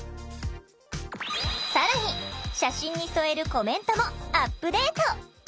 更に写真に添えるコメントもアップデート！